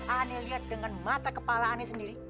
ane lihat dengan mata kepala ane sendiri